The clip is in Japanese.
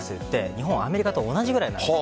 日本はアメリカと同じくらいなんです。